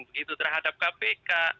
begitu terhadap kpk